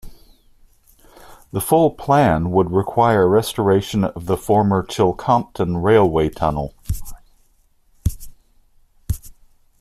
The full plan would require restoration of the former Chilcompton railway tunnel.